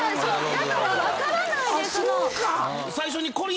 だから分からないでその。